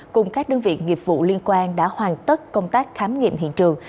cùng các đơn vị nghiệp vụ liên quan đã hoàn tất công tác khám nghiệm hiện trường